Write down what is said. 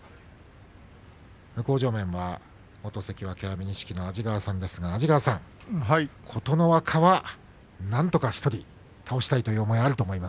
向正面は元関脇安美錦の安治川さんですが琴ノ若なんとか１人倒したいという思いがあるでしょうか。